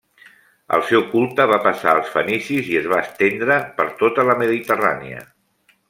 El seu culte va passar als fenicis i es va estendre per tota la Mediterrània.